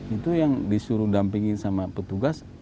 itu yang disuruh dampingi sama petugas